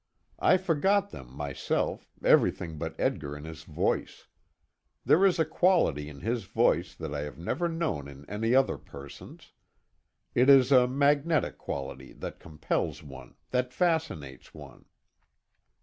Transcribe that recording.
I forgot them, myself, everything but Edgar and his voice. There is a quality in his voice that I have never known in any other person's. It is a magnetic quality that compels one, that fascinates one.